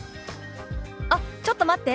「あっちょっと待って。